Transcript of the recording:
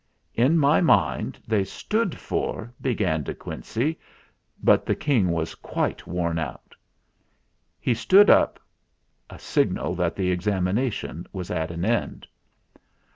"In my mind they stood for " began De Quincey ; but the King was quite worn out. He stood up a signal that the Examination was at an end.